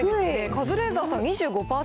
カズレーザーさん２５％。